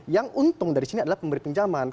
yang untung dari sini adalah pemberi pinjaman